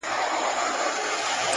صبر د هیلو ونې خړوبوي!